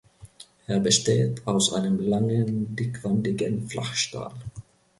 Er besteht aus einem langen, dickwandigen Flachstahl.